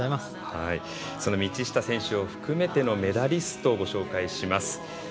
その道下選手を含めたメダリストをご紹介します。